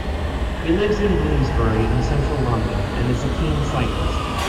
He lives in Bloomsbury in central London and is a keen cyclist.